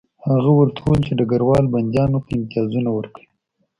هغه ورته وویل چې ډګروال بندیانو ته امتیازونه ورکوي